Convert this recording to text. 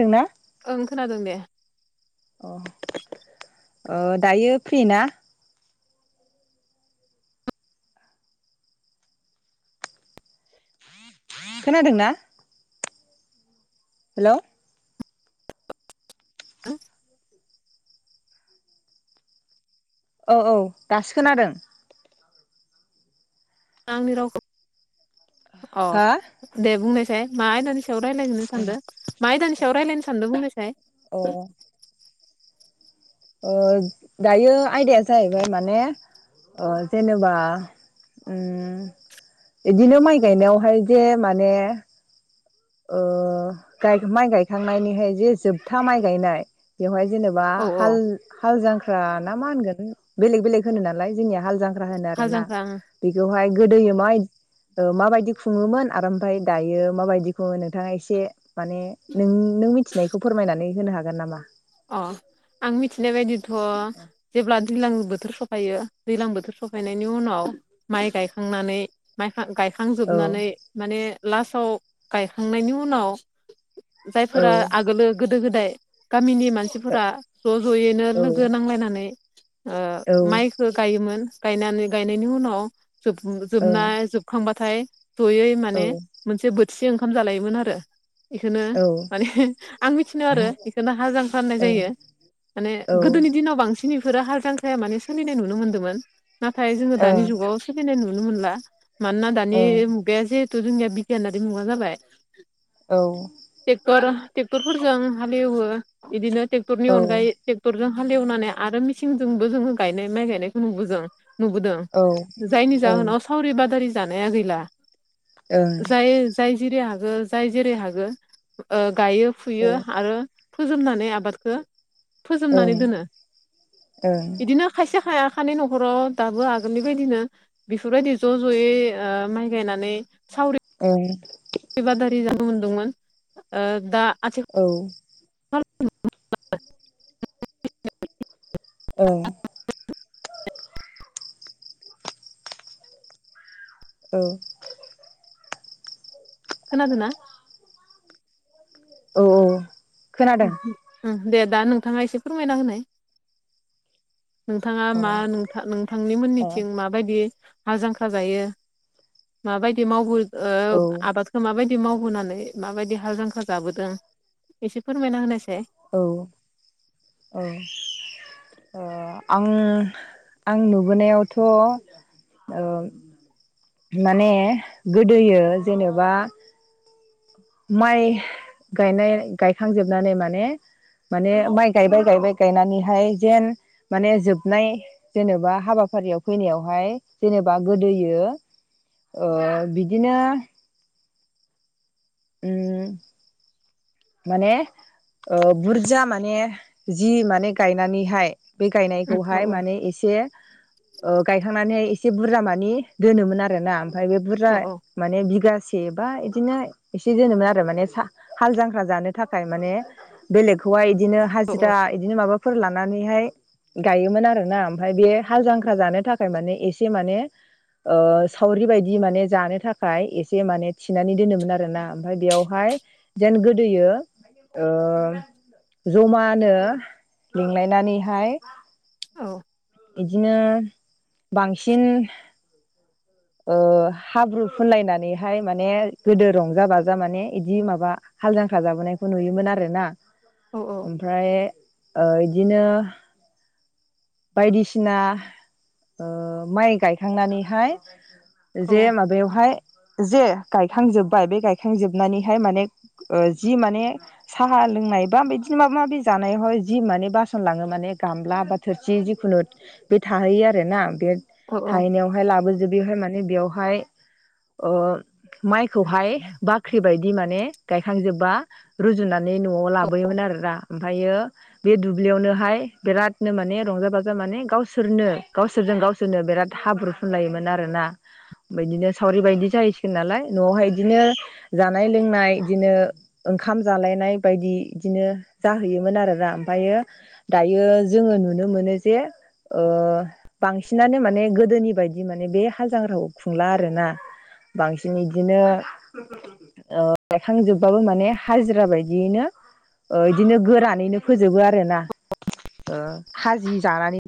दोंना? ओं खोनादों दे। अ ओ दायो फ्रि ना? खोनादोंना? हेल'। औ औ दासो खोनादों। आंनि रावखौ अ हा दे बुंनायसाय मा आयदानि सायाव रायलायनो सानदों मा आयदानि सायाव रायलायनो सानदों बुंनायसाय? अ ओ दायो आयदाया जाहैबाय माने अ जेनेबा उम इदिनो माइ गायनायावहाय जे माने ओ गाय माइ गायखांनायनिहाय जे जोबथा माइ गायनाय बेवहाय जेनेब बा औ हाल औ हाल जांख्रा ना मा होनगोन? बेलेग बेलेग होनो नालाय जोंनिया हाल जांख्रा होनो आरो हाल ना। जांख्रा ओं बेखौहाय गोदोयो माय ओ माबायदि खुङोमोन आरो ओमफ्राय दायो माबायदि बेखौ नोंथाङा एसे माने नों नों मिथिनायखौ फोरमायनानै होनो हागोन नामा? अ आं मिथिनाय बायदिथ' जेब्ला दैलां बोथोर सफ सफायो दैलां बोथोर सफायनायनि उनाव माइ गायखांनानै माइखां माइ औ गायखांजोबनानै माने लासआव गायखांनायनि उनाव औ जायफोरा आगोलो गोदो गोदाय गामिनि मान मानसिफोरा ज' ज'यैनो औ लोगो नांलायनानै ओ औ माइखो गायोमोन गायनानै गायनायनि उनाव जोब ओं जोबना जोब खांबाथाय जयै औ माने मोनसे बोथिसे ओंखाम जालायोमोन आरो। इखोनो औ ओं माने आं मिथिनायाव आरो बेखोनो हाल जां ख्रां होननाय जायो माने औ ओं गोदोनि दिन दिनाव बांसिन इफोरो हाल जांख्राया माने सोलिनाय नुनो मोनदोंमोन नाथाय जोङो दानि जुगाव [unintelligible] नाय नुनो मोनला मानोना दानि मुगाया जिहेथु जोंनिया बिगियानारि मुगा जाबाय। औ। टेक्टर टेक्टरफोरजों हालेवो इदिनो टेक्टरनि औ अनगायै टेक्टरजों हालेवनानै आरो मेसिनजोंबो जोङो गायनाय माइ गायनायखौ नुबोजों नुबोदों। जायनि जाहोनाव सावरि बादारि जानाया गैला ओं जाय जाय जेरै हागो जाय जेरै हागो ओ गायो फुयो आरो फोजोबनानै आबादखो ओं फोजोबनानै दोनो ओं इदिनो खायसे हाया खानाय न'खराव दाबो आगोलनि बायदिनो बेफोरबायदि ज' ज'यै ओ माइ गायनानै सावरि ओं बादारि जानो मोनदोंमोन ओ दा आथिख औ [inaudible] ओं औ खोनादोना? औ औ औ। दे दा नोंथाङा एसे फोरमायना होनाय। नोंथाङा मा अ नोंथा नोंथांनि औ मोननिथिं मा माबायदि हाल जांख्रा जायो माबायदि मावो ओ औ आबाद खो माबायदि मावबोनानै माबायदि हाल जांख्रा जाबोदों एसे फोरमायना होनायसाय। औ औ। ओ आं आं नुबोनायावथ'ओ माने गोदोयो जेनोबा माइ गायनाय गायखांजोबनानै माने माने माइ गायबाय गायबाय गायनानैहाय जेन माने जोबनाय जेनोबा हाबाफारियाव फैनायावहाय जेनोबा गोदोयो ओ बिदिनो उम माने ओ बुरजा माने जि माने गायनानैहाय बे उम औ गायनायखौहाय माने एसे ओ गायखांनानैहाय एसे बुरजा मानि दोनोमोन आरोना ओमफाय बे बुरजा औ माने बिगासे बा इदिनो एसे जोनोमोन आरो माने सा हाल जां ख्रा जानो थाखाय माने बेलेगखौहाय इदिनो हाजिरा इदिनो माबाफोर लानानैहाय गाइयोमोन आरोना ओमफ्राय बे हाल जांख्रा जानो थाखाय माने एसे माने ओ सावरि बायदि माने जानो थाखाय एसे माने थिनानै दोनोमोन आरो ना ओमफाय बेयावहाय जेन गोदोयो ओ जमानो लिंलायनानैहाय औ इदिनो बांसिन ओ हाब्रु फुनलायनानैहाय माने गोदो रंजा बाजा माने इदि माबा हाल जांख्रा जाबोनायखौ नुयोमोन आरोना। औ औ। ओमफ्राय ओ इदिनो बायदिसिना ओ माइ गायखांनानैहाय औ जे माबायावहाय जे गायखांजोब्बाय बे गायखांजोबनानैहाय माने ओ जि माने साहा लोंनाय बा बिदिनो माबा माबि जानाय ह जि माने बासन लाङो माने गामला बा थोरसि जिखुनु बे थाहैयो आरोना बे औ औ औ थाहैनायावहाय लाबोजोब बेहाय माने बेयावहाय ओ माइखौहाय बाख्रि बायदि माने गायखांजोबबा रुजुनानै न'आव लाबोयोमोन आरोना ओमफायो बे दुब्लियावनोहाय बिरादनो माने रंजा बाजा माने गावसोरनो गावसोरजों गावसो सोरनो बिराद हाब्रु फुनलायोमोन आरोना। ओम बिदिनो सावरि बायदि जाहैसिगोन नालाय न'आवहाय बिदिनो जानाय लोंनाय इदिनो ओंखाम जालायनाय बायदि इदिनो जाहैयोमोन आरोना ओमफायो दायो जोङो नुनो मोनो जे ओ बांसिनानो माने गोदोनि बायदि माने बे हालजांग्राखौ खुंला आरोना बांसिन इदिनो ओ गायखांजोबबाबो माने हाजिरा बायदियैनो ओ इदिनो गोरानैनो फोजोबो आरोना ओ खाजि जानानै।